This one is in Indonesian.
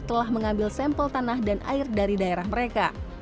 telah mengambil sampel tanah dan air dari daerah mereka